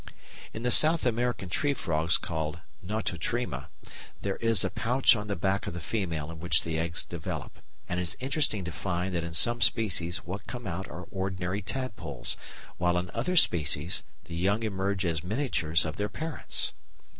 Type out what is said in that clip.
In the South American tree frogs called Nototrema there is a pouch on the back of the female in which the eggs develop, and it is interesting to find that in some species what come out are ordinary tadpoles, while in other species the young emerge as miniatures of their parents.